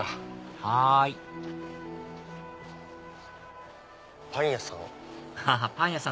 はいパン屋さん。